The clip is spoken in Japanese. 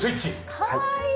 かわいい！